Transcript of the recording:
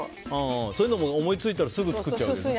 そういうのも、思いついたらすぐ作っちゃうわけですね。